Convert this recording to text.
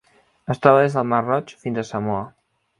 Es troba des del Mar Roig fins a Samoa.